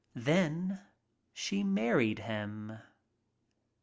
Then she married him.